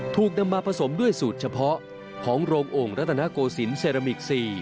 ถูกนำมาผสมด้วยสูตรเฉพาะของโรงองค์รัตนโกศิลปเซรามิก๔